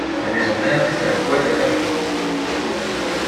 La maison-mère est à Guadalajara.